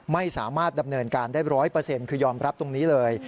ไม่สามารถดำเนินการได้๑๐๐คือยอมรับตรงนี้เลย